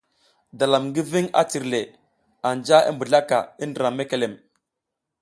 Dalam ngi ving a cirle, anja i mbizlaka i ndram mekelem.